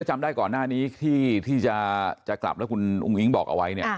จำได้ก่อนหน้านี้ที่จะกลับแล้วคุณอุ้งอิ๊งบอกเอาไว้เนี่ย